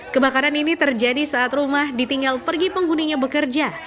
kebakaran ini terjadi saat rumah ditinggal pergi penghuninya bekerja